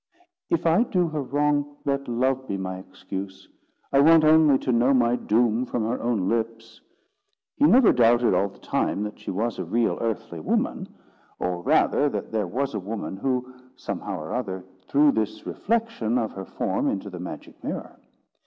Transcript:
If I do her wrong, let love be my excuse. I want only to know my doom from her own lips." He never doubted, all the time, that she was a real earthly woman; or, rather, that there was a woman, who, somehow or other, threw this reflection of her form into the magic mirror.